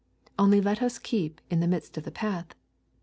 Only let us keep in the midst of the path.